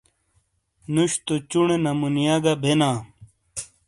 نُش تو چٗنے نمونیا گہ بینا۔